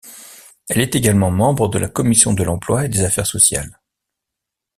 Elle est également membre de la commission de l'emploi et des affaires sociales.